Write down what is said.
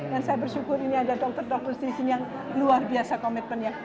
dan saya bersyukur ini ada dokter dokter di sini yang luar biasa komitmennya